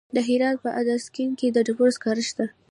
د هرات په ادرسکن کې د ډبرو سکاره شته.